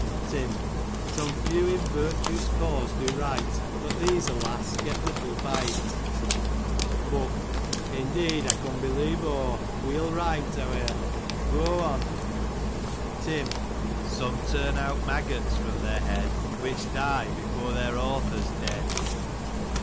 Tim :" Some few in virtue's cause do write, But these, alas ! get little by't. " Book: Indeed, aw can believe 'o ! Weel rime't, heawe'er; gu on. Tim : "Some turn out maggots from their head, Which die before their author '3 dead.